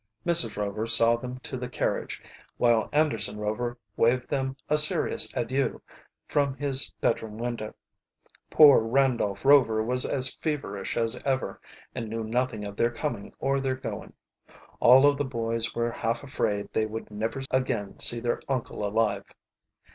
Mrs. Rover saw them to the carriage, while Anderson Rover waved them a serious adieu from his bedroom window. Poor Randolph Rover was as feverish as ever, and knew nothing of their coming or their going. All of the boys were half afraid they would never again see their uncle alive.